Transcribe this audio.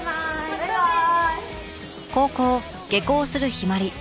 バイバイ！